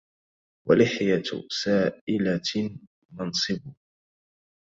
ولحية سائلة منصبه